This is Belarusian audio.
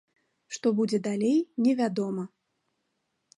Што будзе далей не вядома.